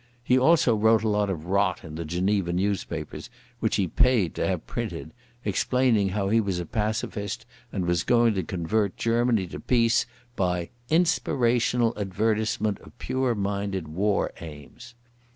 He also wrote a lot of rot in the Geneva newspapers, which he paid to have printed, explaining how he was a pacifist, and was going to convert Germany to peace by "inspirational advertisement of pure minded war aims".